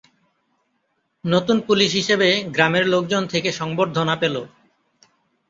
নতুন পুলিশ হিসেবে গ্রামের লোকজন থেকে সংবর্ধনা পেল।